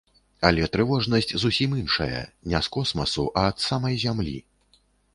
Але трывожнасць зусім іншая, не з космасу, а ад самай зямлі.